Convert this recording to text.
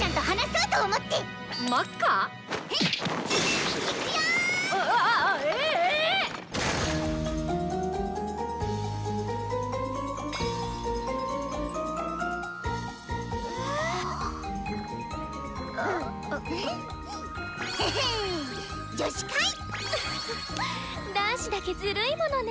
うふふっ男子だけずるいものね。